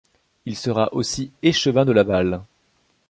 Il sera aussi échevin de Laval.